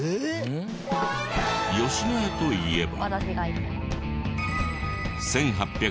野家といえば。